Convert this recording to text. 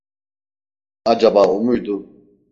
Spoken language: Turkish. Acaba o muydu?